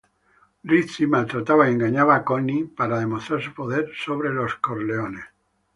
Rizzi maltrataba y engañaba a Connie para demostrar su poder sobre los Corleone.